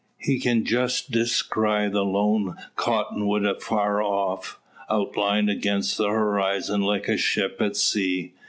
He can just descry the lone cottonwood afar off, outlined against the horizon like a ship at sea.